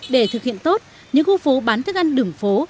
để thực hiện tốt những khu phố bán thức ăn đường phố